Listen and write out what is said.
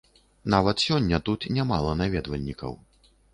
Нават сёння тут нямала наведвальнікаў.